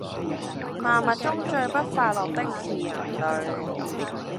萬物中最不快樂的是人類